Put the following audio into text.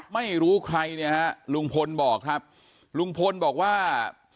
ไม่รู้ใครลุงพลบอกครับลุงพลบอกว่า